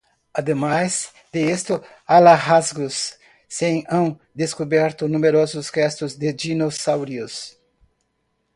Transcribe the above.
Además de estos hallazgos, se han descubierto numerosos restos de dinosaurios.